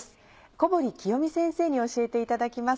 小堀紀代美先生に教えていただきます。